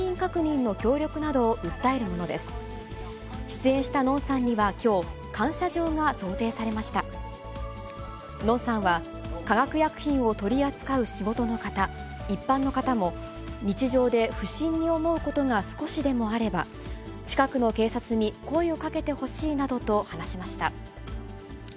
のんさんは、化学薬品を取り扱う仕事の方、一般の方も、日常で不審に思うことが少しでもあれば、近くの警察に声をかけてほしいなどと話しました。